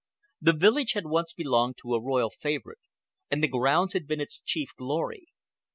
The villa had once belonged to a royal favorite, and the grounds had been its chief glory.